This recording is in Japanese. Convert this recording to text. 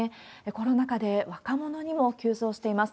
コロナ禍で若者にも急増しています。